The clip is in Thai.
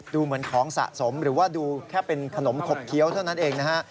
ดูเหมือนของสะสมหรือว่าดูแค่เป็นขนมขบเคี้ยวเท่านั้นเองนะฮะ